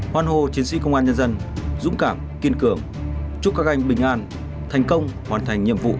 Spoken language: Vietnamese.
hoan hô chiến sĩ công an nhân dân dũng cảm kiên cường chúc các anh bình an thành công hoàn thành nhiệm vụ